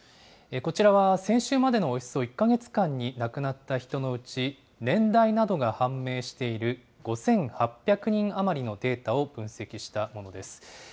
こちらは、先週までのおよそ１か月間に亡くなった人のうち、年代などが判明している５８００人余りのデータを分析したものです。